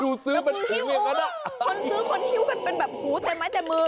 คนซื้อคนหิวกันเป็นแบบหูเต็มไม้เต็มมือ